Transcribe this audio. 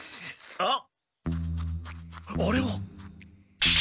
あっ！